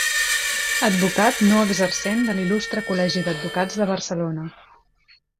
Advocat no exercent de l'Il·lustre Col·legi d'Advocats de Barcelona.